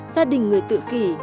gia đình người tự kỷ